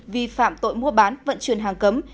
vi phạm tội mua bán vận chuyển hàng cấm